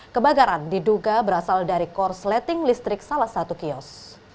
kebakaran diduga berasal dari korsleting listrik salah satu kios